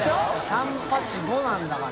サンパチゴなんだから。